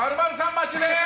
待ちです！